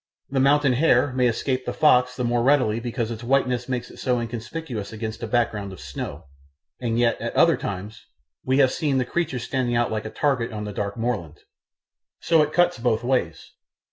] The mountain hare may escape the fox the more readily because its whiteness makes it so inconspicuous against a background of snow; and yet, at other times, we have seen the creature standing out like a target on the dark moorland. So it cuts both ways.